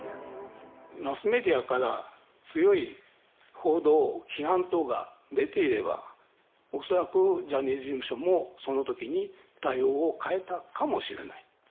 マスメディアから強い報道、批判等が出ていれば、恐らくジャニーズ事務所もそのときに対応を変えたかもしれない。